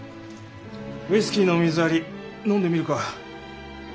ウイスキーの水割り飲んでみるか？